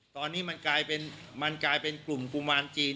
ตอนนี้มันกลายเป็นกลุ่มกุมารจีน